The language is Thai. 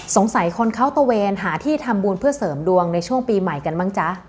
สงสัยคนเขาตะเวนหาที่ทำบุญเพื่อเสริมดวงในช่วงปีใหม่กันบ้างจ๊ะ